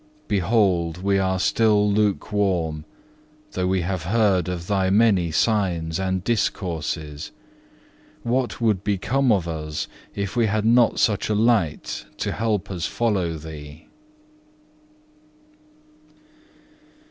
Behold we are still lukewarm, though we have heard of Thy many signs and discourses; what would become of us if we had not such a light to help us follow Thee?